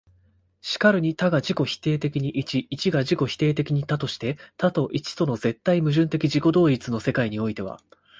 然るに多が自己否定的に一、一が自己否定的に多として、多と一との絶対矛盾的自己同一の世界においては、